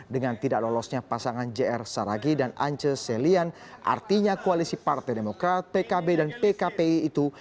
dengan tidak lolosnya pasangan jr saragi dan ance selian artinya koalisi partai demokrat pkb dan pkpi itu